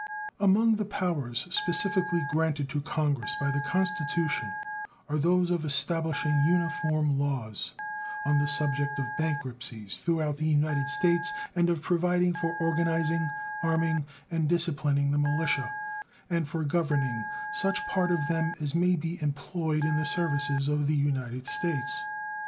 Among the powers specifically granted to Congress by the Constitution are those of establishing uniform laws on the subject of bankruptcies throughout the United States and of providing for organizing, arming, and disciplining the militia and for governing such part of them as may be employed in the services of the United States.